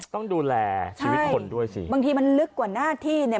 ต้องดูแลชีวิตคนด้วยสิบางทีมันลึกกว่าหน้าที่เนี่ย